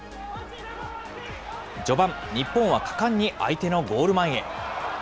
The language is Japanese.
序盤、日本は果敢に相手のゴール前へ。